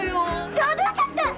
ちょうどよかった。